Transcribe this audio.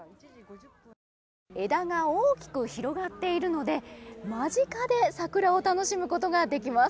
枝が大きく広がっているので、間近で桜を楽しむことができます。